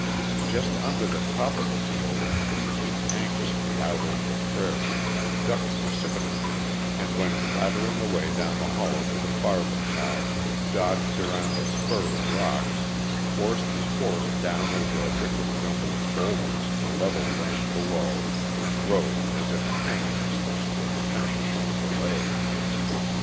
Just under the top of the slope, he peeked anxiously out over the prairie, ducked precipitately, and went clattering away down the hollow to the farther side; dodged around a spur of rocks, forced his horse down over a wicked jumble of boulders to level land below, and rode as if a hangman's noose were the penalty for delay.